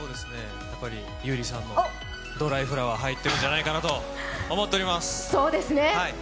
優里さんの「ドライフラワー」は入ってるんじゃないかと思っています。